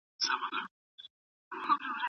بنسټیز کار د ماشومانو ملاتړ کول دي.